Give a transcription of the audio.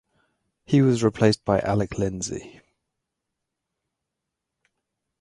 He was replaced by Alec Lindsay.